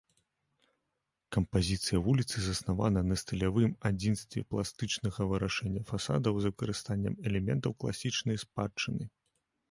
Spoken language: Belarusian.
Кампазіцыя вуліцы заснавана на стылявым адзінстве пластычнага вырашэння фасадаў з выкарыстаннем элементаў класічнай спадчыны.